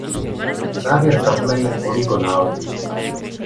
Závěr kaple je polygonální.